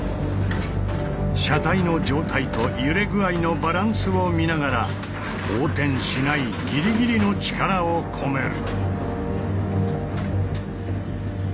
車体の状態と揺れ具合のバランスを見ながら横転しないギリギリの力を込める。